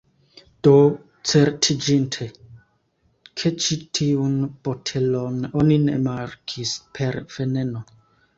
Do, certiĝinte ke ĉi tiun botelon oni ne markis per 'veneno'